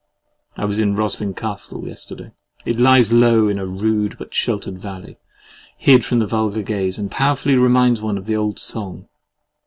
—I was at Roslin Castle yesterday. It lies low in a rude, but sheltered valley, hid from the vulgar gaze, and powerfully reminds one of the old song.